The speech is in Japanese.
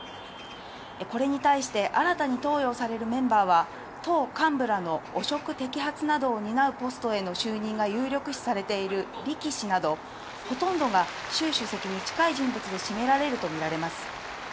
これに対して新たに登用されるメンバーの党幹部らの汚職摘発などを担うポストへの就任が有力視されているリ・キ氏など、ほとんどがシュウ主席に近い人物で占められるとみられます。